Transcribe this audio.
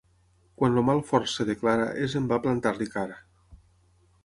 Quan el mal fort es declara és en va plantar-li cara.